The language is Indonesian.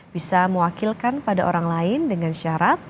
bisa mewakilkan pada orang lain dengan syarat